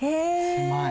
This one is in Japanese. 狭い。